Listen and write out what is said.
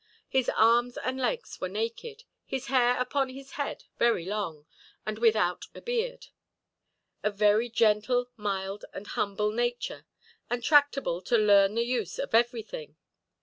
His arms and legs were naked; his hair upon his head very long, and without a beard; of very gentle, mild, and humble nature, and tractable to learn the use of everything.